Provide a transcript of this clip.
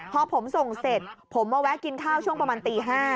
พอผมส่งเสร็จผมมาแวะกินข้าวช่วงประมาณตี๕